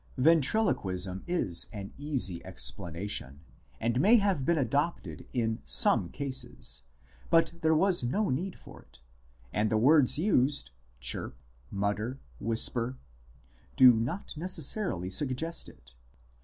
Ventriloquism is an easy explanation, and may have been adopted in some cases ; but there was no need for it, and the words used, " chirp," " mutter," " whisper," do not necessarily suggest it.